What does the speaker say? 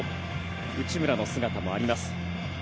内村の姿もあります。